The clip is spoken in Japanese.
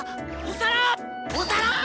お皿？